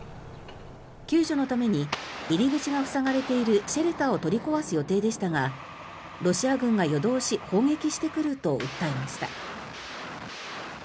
救助のために入り口が塞がれているシェルターを取り壊す予定でしたがロシア軍が夜通し砲撃してくると訴えました。